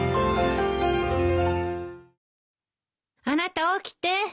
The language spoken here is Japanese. あなた起きて。